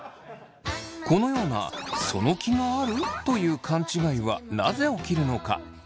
このような「その気がある？」という勘違いはなぜ起きるのか？